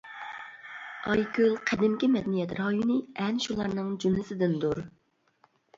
ئايكۆل قەدىمكى مەدەنىيەت رايونى ئەنە شۇلارنىڭ جۈملىسىدىندۇر.